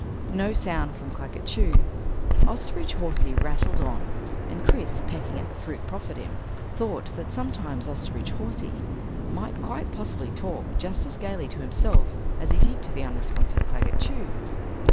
No sound from Claggett Chew. Osterbridge Hawsey rattled on and Chris, pecking at the fruit proffered him, thought that sometimes Osterbridge Hawsey might quite possibly talk just as gaily to himself as he did to the unresponsive Claggett Chew.